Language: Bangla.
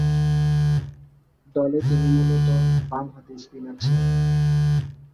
দলে তিনি মূলতঃ বামহাতি স্পিনার ছিলেন।